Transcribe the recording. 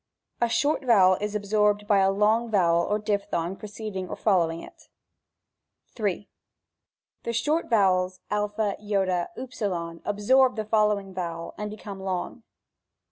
A short vowel is absorbed by a long vowel or diphthong preceding or foUowing it. in. The short vowels a^ c, v, absorb the following vowel and become long.